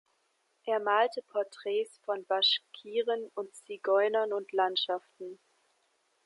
Er malte Porträts von Baschkiren und Zigeunern und Landschaften.